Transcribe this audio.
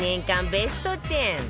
ベスト１０